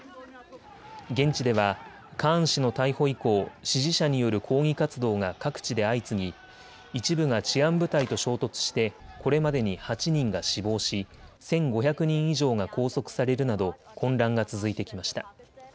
現地ではカーン氏の逮捕以降、支持者による抗議活動が各地で相次ぎ一部が治安部隊と衝突してこれまでに８人が死亡し１５００人以上が拘束されるなど混乱が続いてきました。